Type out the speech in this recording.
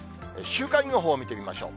週間予報を見てみましょう。